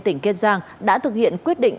tỉnh kiên giang đã thực hiện quyết định